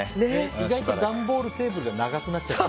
意外と段ボールテーブルが長くなっちゃって。